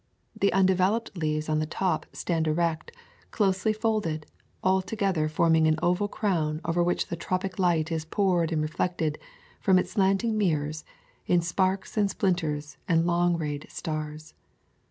The undeveloped leaves on the top stand erect, closely folded, all together forming an oval crown over which the tropic light is poured and reflected from its slanting mirrors in sparks and splinters and long rayed stars.